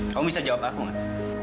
kamu bisa jawab aku gak